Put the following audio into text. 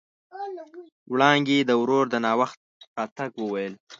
وړانګې د ورور د ناوخت راتګ وويل.